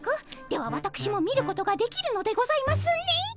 ではわたくしも見ることができるのでございますね。